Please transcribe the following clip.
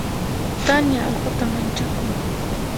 Tania allquta manchakun.